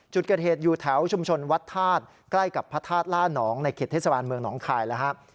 จุดเกิดเหตุอยู่แถวชุมชนวัดธาตุใกล้กับพระธาตุล่านองในเขตเทศบาลเมืองหนองคายแล้วครับ